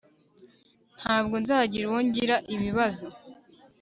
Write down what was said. ntabwo nzagira uwo ngira ibibazo